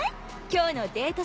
今日のデート